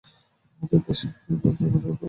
আমাদের দেশে উদ্যোগ থাকলেও উপায়ের একান্ত অভাব।